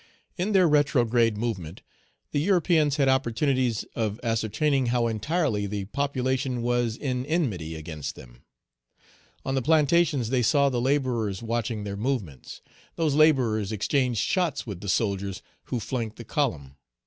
In their retrograde movement, the Europeans had opportunities of ascertaining how entirely the population was in enmity against them. On the plantations, they saw the laborers watching their movements. Those laborers exchanged shots with the soldiers who flanked the column.